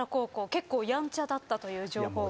結構やんちゃだったという情報が。